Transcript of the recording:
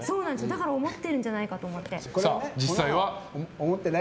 だから思ってるんじゃないかとさあ、実際は？